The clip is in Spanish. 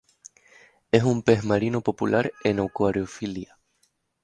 Es un pez marino popular en acuariofilia.